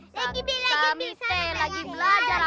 lagi belajar belajar belajar